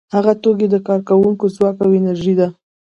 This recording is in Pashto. هغه توکي د کارکوونکو ځواک او انرژي ده